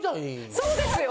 そうですよ！